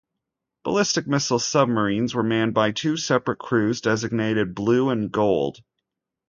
Ballistic Missile Submarines were manned by two separate crews, designated Blue and Gold.